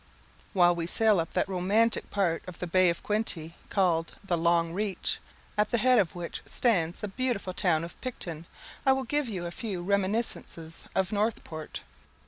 While we sail up that romantic part of the Bay of Quinte, called the "Long Reach," at the head of which stands the beautiful town of Picton, I will give you a few reminiscences of Northport.